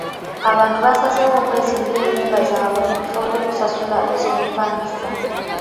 Abantu basazeewo okwezimbira ennyumba zaabwe mu kifo ky'okusasula ez'obupangisa.